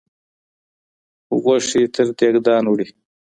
غوښي تر دېګدان وړي